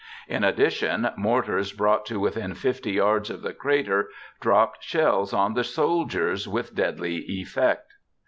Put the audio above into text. In addition, mortars brought to within 50 yards of the crater dropped shells on the soldiers with deadly effect.